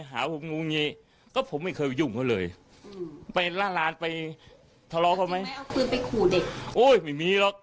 หาผมอยู่อย่างนี้